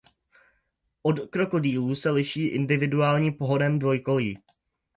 Od krokodýlů se liší individuálním pohonem dvojkolí.